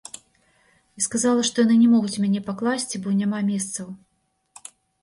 І сказала, што яны не могуць мяне пакласці, бо няма месцаў.